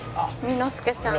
三之助さん。